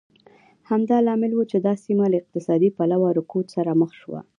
همدا لامل و چې دا سیمه له اقتصادي پلوه رکود سره مخ شوه.